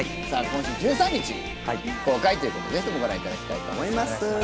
今週１３日公開ということでぜひご覧いただきたいと思います。